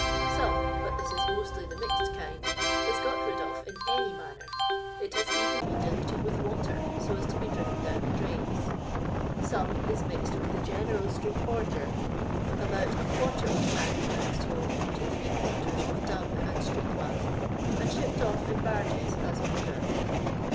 Some, but this is mostly the mixed kind, is got rid of in any manner; it has even been diluted with water so as to be driven down the drains. Some is mixed with the general street ordure — about a quarter of " mac," I was told, to three quarters of dung and street mud — and shipped off in barges as manure.